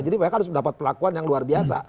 jadi mereka harus mendapatkan pelakuan yang luar biasa